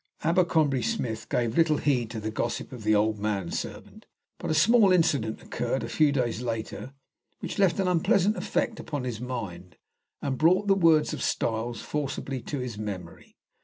Abercrombie Smith gave little heed to the gossip of the old man servant, but a small incident occurred a few days later which left an unpleasant effect upon his mind, and brought the words of Styles forcibly to his memory.